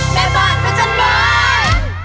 แม่บ้านพระจันทร์บ้าน